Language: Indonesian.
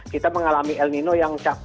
kita mengalami el nino yang